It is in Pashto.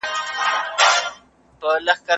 هغه وويل چي سندري ښکلې ده،